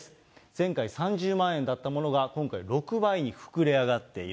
前回３０万円だったものが今回は６倍に膨れ上がっている。